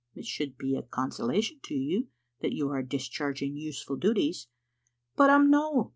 " It should be a consolation to you that you are dis charging useful duties." "But I'm no.